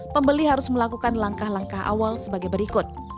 pembeli harus melakukan langkah langkah awal sebagai berikut